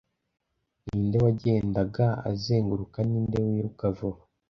ninde wagendaga azenguruka ninde wiruka vuba